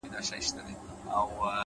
مثبت ذهن حل لارې پیدا کوي؛